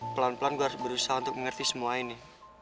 pelan pelan gue harus berusaha untuk mengerti semua ini